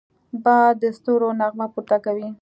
باد د ستورو نغمه پورته کوي